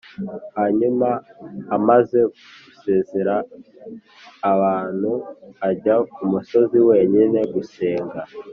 Hanyuma amaze gusezerera abantu ajya ku musozi wenyine gusenga